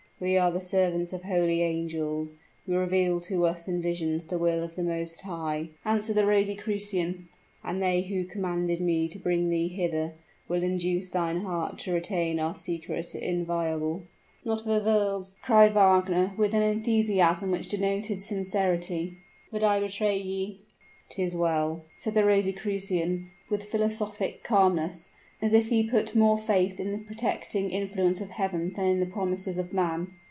"We are the servants of holy angels, who reveal to us in visions the will of the Most High," answered the Rosicrucian; "and they who commanded me to bring thee hither, will induce thine heart to retain our secret inviolable." "Not for worlds," cried Wagner, with an enthusiasm which denoted sincerity, "would I betray ye!" "'Tis well," said the Rosicrucian, with philosophic calmness as if he put more faith in the protecting influence of Heaven than in the promises of man.